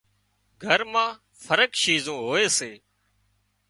گھر مان فرق شيزون هوئي سي